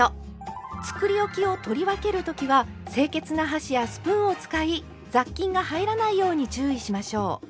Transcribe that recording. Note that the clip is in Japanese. つくりおきを取り分けるときは清潔な箸やスプーンを使い雑菌が入らないように注意しましょう。